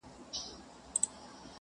o ر